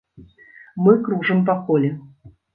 Мы кружым па коле.